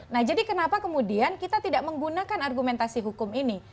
nah jadi kenapa kemudian kita tidak menggunakan argumentasi hukum ini